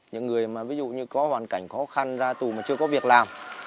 những người mà ví dụ như có hoàn cảnh khó khăn ra tù mà chưa có việc làm